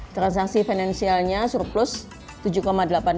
transaksi finansialnya surplus dua empat miliar dolar